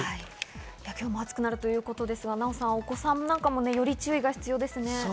今日も暑くなるということですが、ナヲさん、お子さんなんかもより注意が必要ですね。